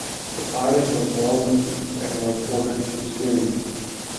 The pilot was well received and was ordered to series.